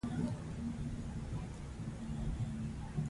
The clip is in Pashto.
ټیکساس بزګران شکایت لري.